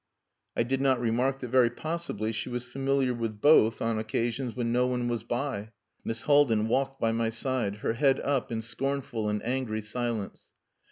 I did not remark that very possibly she was familiar with both on occasions when no one was by. Miss Haldin walked by my side, her head up in scornful and angry silence.